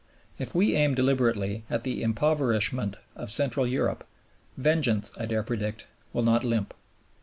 If we aim deliberately at the impoverishment of Central Europe, vengeance, I dare predict, will not limp.